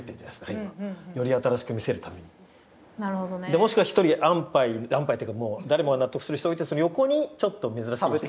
もしくは一人アンパイアンパイっていうか誰もが納得する人を置いてその横にちょっと珍しい人。